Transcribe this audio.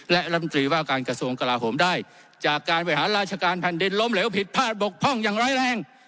และรัฐมนตรีว่าการกระทรวงกลาโหมได้จากการบริหารราชการแผ่นดินล้มเหลวผิดพลาดบกพร่องอย่างร้ายแรง